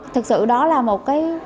thực sự đó là một cái